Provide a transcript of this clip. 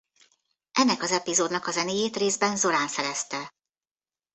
Ennek az epizódnak a zenéjét részben Zorán szerezte.